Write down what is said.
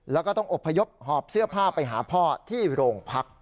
แล้วก็ต้องอบพยพหอบเสื้อผ้าไปหาพ่อที่โรงพัก